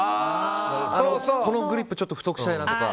このグリップちょっと太くしたいなとか。